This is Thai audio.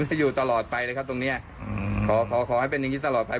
อยู่ตลอดไปเลยครับตรงเนี้ยขอขอขอให้เป็นอย่างนี้ตลอดไป